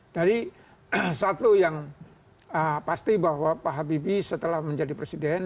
dari satu yang pasti bahwa pak habibie setelah menjadi presiden